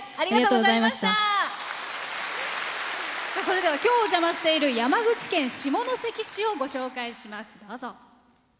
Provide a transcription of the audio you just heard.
それでは今日、お邪魔している山口県下関市をご紹介します。